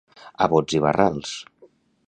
A bots i barrals.